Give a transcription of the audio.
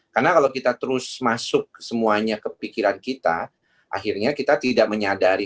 karena kalau kita terus masuk semuanya ke pikiran kita akhirnya kita tidak menyadari